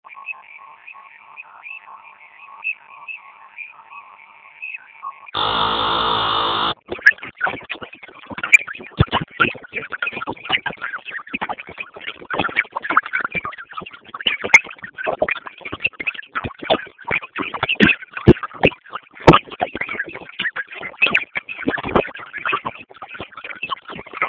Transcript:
پرانیستي خواړه ژر خرابېږي.